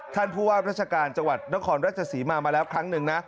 ท่านผู้ว่าราชการจังหวัดนครราชศรีมามาแล้วครั้งหนึ่งนะ